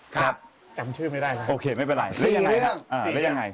ครับจำชื่อไม่ได้แล้วโอเคไม่เป็นไรสี่เรื่องอ่าแล้วยังไง